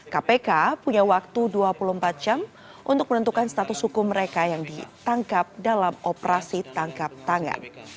kpk punya waktu dua puluh empat jam untuk menentukan status hukum mereka yang ditangkap dalam operasi tangkap tangan